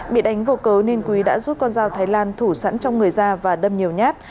bị đánh vào cấu nên quý đã rút con dao thái lan thủ sẵn trong người da và đâm nhiều nhát